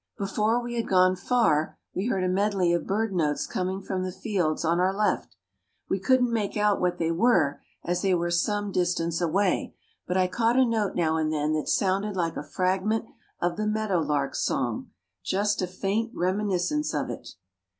Before we had gone far we heard a medley of bird notes coming from the fields on our left. We couldn't make out what they were, as they were some distance away, but I caught a note now and then that sounded like a fragment of the meadow lark's song just a faint reminiscence of it.